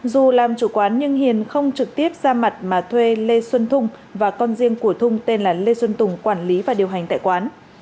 dù làm chủ quán nhưng hiền không trực tiếp ra mặt mà thuê lê xuân thung và con riêng của thung tên là lê xuân tùng quản lý và điều hành tại quán